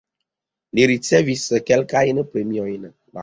Li ricevis kelkajn premiojn.